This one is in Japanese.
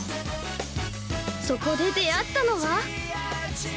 そこで出会ったのは。